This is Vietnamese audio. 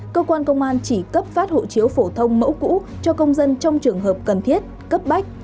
cơ quan công an chỉ cấp phát hộ chiếu phổ thông mẫu cũ cho công dân trong trường hợp cần thiết cấp bách